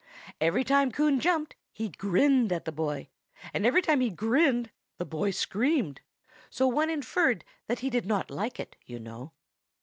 Every time Coon jumped, he grinned at the boy; and every time he grinned, the boy screamed; so one inferred that he did not like it, you know.